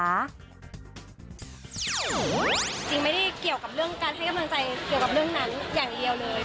จริงไม่ได้เกี่ยวกับเรื่องการให้กำลังใจเกี่ยวกับเรื่องนั้นอย่างเดียวเลย